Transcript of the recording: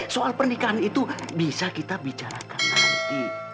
soal pernikahan itu bisa kita bicarakan nanti